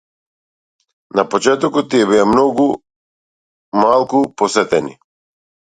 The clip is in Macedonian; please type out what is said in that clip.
На почетокот тие беа многу малку посетени.